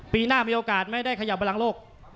ปีหน้ามีโอกาสไม่ได้ขยับพลังโลก